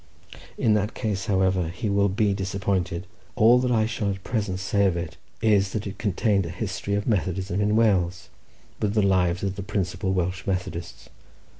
In that case, however, he will be disappointed; all that I shall at present say of it is, that it contained a history of Methodism in Wales, with the lives of the principal Welsh Methodists.